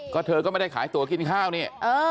ก็เธอก็ไม่ได้ขายตัวกินข้าวนี่